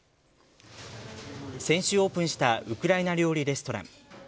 先週オープンしたウクライナ料理レストラン。